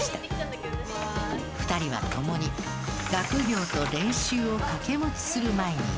２人は共に学業と練習を掛け持ちする毎日。